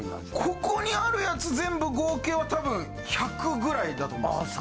ここにあるやつ全部合計はたぶん１００ぐらいだと思います。